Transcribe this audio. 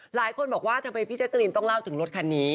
หลายคนบอกว่าทำไมพี่แจ๊กรีนต้องเล่าถึงรถคันนี้